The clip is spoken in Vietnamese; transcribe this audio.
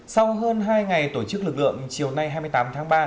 sau hơn hai ngày tổ chức lực lượng chiều nay hai mươi tám tháng ba